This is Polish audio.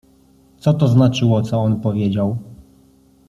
Co to znaczyło co on powiedział?